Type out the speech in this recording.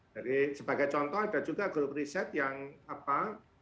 dari sebagai contoh ada juga grup riset yang apa